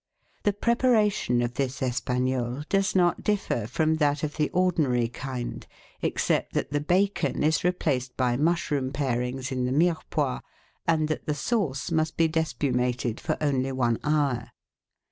The preparation of this Espagnole does not differ from thai of the ordinary kind, except that the bacon is replaced by mush room parings in the Mirepoix, and that the sauce must be de spumated for only one hour.